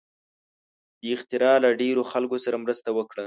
دې اختراع له ډېرو خلکو سره مرسته وکړه.